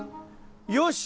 よし！